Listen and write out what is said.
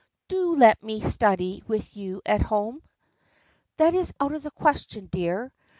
Do let me study with you at home !"" That is out of the question, dear.